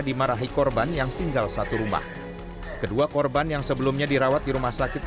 dimarahi korban yang tinggal satu rumah kedua korban yang sebelumnya dirawat di rumah sakit